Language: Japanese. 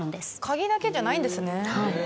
鍵だけじゃないんですね。